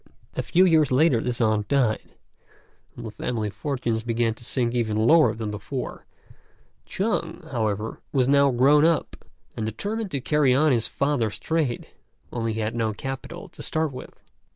A few years later this aunt died, and the family fortunes began to sink even lower than before; Chung, however, was now grown up, and determined to carry on his father's trade, only he had no capital to start with.